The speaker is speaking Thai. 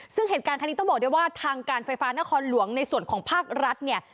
ซึ่งเหตุการณ์ครั้งนี้ต้องบอกได้ว่าทางการไฟฟ้านครหลวงในส่วนของภาครัฐเนี่ย